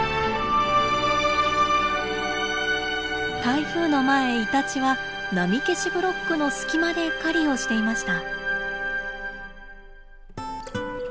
台風の前イタチは波消しブロックの隙間で狩りをしていました。